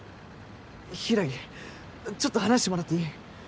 柊ちょっと話してもらっていい？